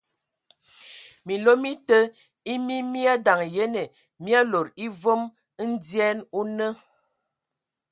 Minlo mi te e mi mi adaŋ yene, mi lodo e vom ndyɛn o nə.